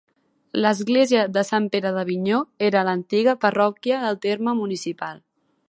L'església de Sant Pere d'Avinyó era l'antiga parròquia del terme municipal.